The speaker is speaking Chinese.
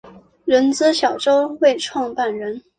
人资小周末创办人